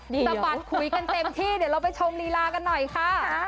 สะบัดคุยกันเต็มที่เดี๋ยวเราไปชมลีลากันหน่อยค่ะ